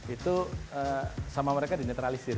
itu sama mereka dinetralisir